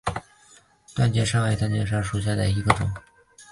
断节莎为莎草科断节莎属下的一个种。